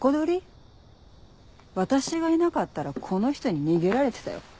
私がいなかったらこの人に逃げられてたよ。